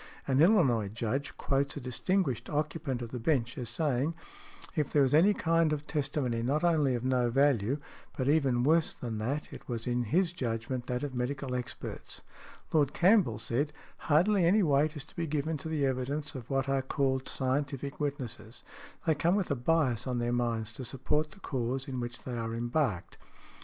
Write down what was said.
An Illinois Judge quotes a distinguished occupant of the bench as saying, "if there was any kind of testimony not only of no value, but even worse than that, it was in his judgment that of medical experts." Lord Campbell said, "Hardly any weight is to be given to the evidence of what are called scientific witnesses: they come with a bias on their minds to support the cause in which they are embarked" .